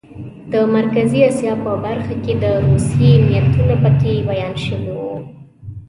د مرکزي اسیا په برخه کې د روسیې نیتونه پکې بیان شوي وو.